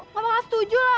ngomong gak setuju lah